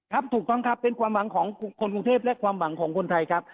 ถูกต้องครับเป็นความหวังของคนกรุงเทพและความหวังของคนไทยครับ